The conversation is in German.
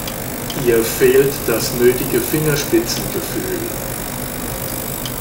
Ihr fehlt das nötige Fingerspitzengefühl.